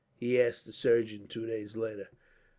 he asked the surgeon, two days later.